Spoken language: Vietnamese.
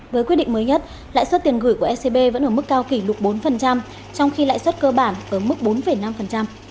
với quyết định mới nhất lại xuất tiền gửi của ecb vẫn ở mức cao kỷ lục bốn trong khi lại xuất cơ bản ở mức bốn năm